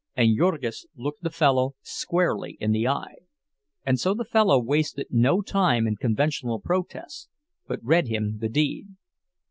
And Jurgis looked the fellow squarely in the eye, and so the fellow wasted no time in conventional protests, but read him the deed.